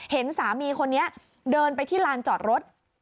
เห็นสามีคนนี้เดินไปที่ลานจอดรถ